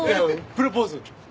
プロポーズ？